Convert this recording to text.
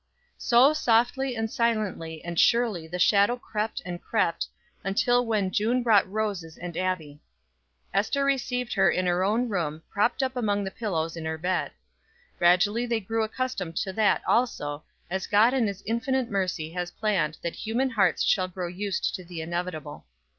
So softly and silently and surely the shadow crept and crept, until when June brought roses and Abbie. Ester received her in her own room, propped up among the pillows in her bed. Gradually they grew accustomed to that also, as God in his infinite mercy has planned that human hearts shall grow used to the inevitable.